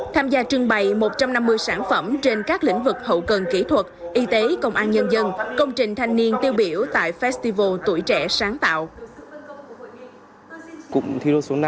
tham gia trưng bày một trăm năm mươi sản phẩm trên các lĩnh vực hậu cần kỹ thuật y tế công an nhân dân công trình thanh niên tiêu biểu tại festival tuổi trẻ sáng tạo